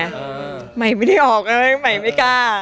ไม่เป็นราวไม่ได้ออกเลยไม่กล้ามไม่กล้า